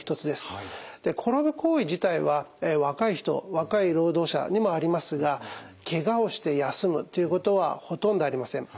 転ぶ行為自体は若い人若い労働者にもありますがケガをして休むということはほとんどありません。